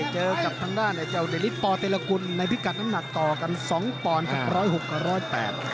เจอกับทางด้านไอ้เจ้าเดนิสปเตรียมละกุลในพิกัดน้ำหนักต่อกัน๒ปกับ๑๐๖๑๐๘